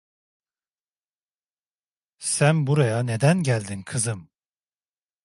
Sen buraya neden geldin kızım?